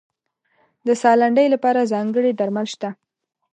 د ساه لنډۍ لپاره ځانګړي درمل شته.